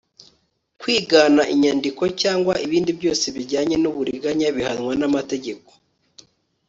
kwigana inyandiko cyangwa ibindi byose bijyanye n'uburiganya bihanwa n'amategeko